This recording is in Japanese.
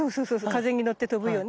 風に乗って飛ぶよね。